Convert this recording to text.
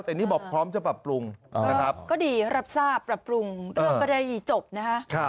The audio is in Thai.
แต่นี่บอกพร้อมจะปรับปรุงนะครับก็ดีรับทราบปรับปรุงเรื่องก็ได้จบนะคะ